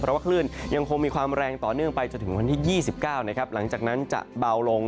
เพราะว่าคลื่นยังคงมีความแรงต่อเนื่องไปจนถึงวันที่๒๙นะครับหลังจากนั้นจะเบาลง